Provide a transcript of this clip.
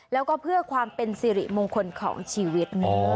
แล้วก็เพื่อความเป็นสิริมงคลของชีวิต